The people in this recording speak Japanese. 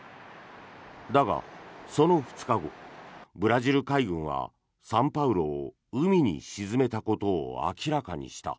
だが、その２日後ブラジル海軍は「サンパウロ」を海に沈めたことを明らかにした。